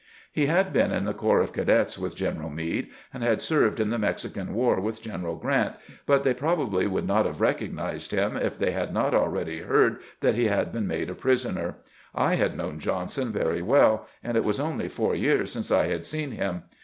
He had been in the corps of cadets with General Meade, and had served in the Mexican war with General Grant, but they probably would not have recognized him if they had not already heard that he had been made a prisoner. I had known Johnson very well, and it was only four years since I had seen him.